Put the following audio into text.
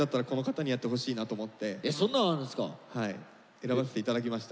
選ばせていただきました。